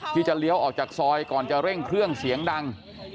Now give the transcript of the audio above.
ที่จะเลี้ยวออกจากซอยก่อนจะเร่งเครื่องเสียงดัง